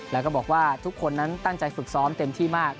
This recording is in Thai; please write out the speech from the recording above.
แล้วก็บอกว่าทุกคนนั้นตั้งใจฝึกซ้อมเต็มที่มาก